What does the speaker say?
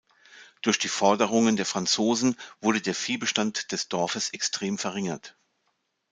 Durch die Forderungen der Franzosen wurde der Viehbestand des Dorfes extrem verringert.